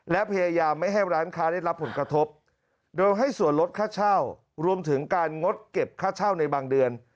และพยายามไม่ให้ร้านค้าได้รับผลกระทบโดยให้ส่วนลดค่าเช่ารวมถึงการงดเก็บค่าเช่าในบางเดือน